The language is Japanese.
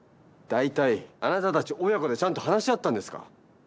大体あなたたち親子でちゃんと話し合ったんですか？